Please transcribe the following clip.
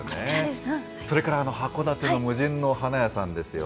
それから函館の無人の花屋さんですよ。